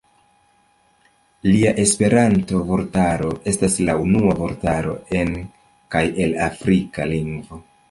Lia Esperanto-vortaro estas la unua vortaro en kaj el afrika lingvo.